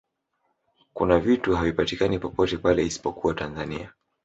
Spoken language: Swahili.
kuna vitu havipatikani popote pale isipokuwa tanzania